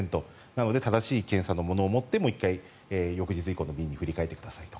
なので正しい検査のものを持ってもう１回、翌日の便に振り替えてくださいと。